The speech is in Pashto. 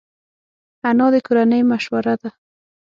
انا د کورنۍ مشوره ده